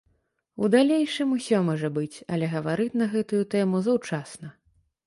У далейшым усё можа быць, але гаварыць на гэтую тэму заўчасна.